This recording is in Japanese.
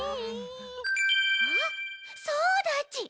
あっそうだち！